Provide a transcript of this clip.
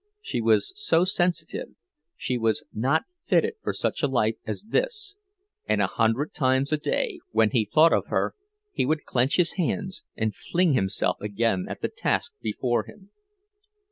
She was so sensitive—she was not fitted for such a life as this; and a hundred times a day, when he thought of her, he would clench his hands and fling himself again at the task before him.